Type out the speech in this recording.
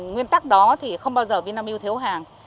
nguyên tắc đó thì không bao giờ việt nam yêu thiếu hàng